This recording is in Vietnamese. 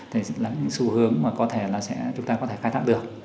thì là những xu hướng mà có thể là chúng ta có thể khai thác được